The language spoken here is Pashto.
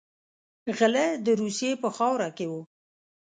غله د روسیې په خاوره کې وو.